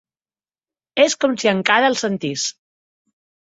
És com si encara els sentís.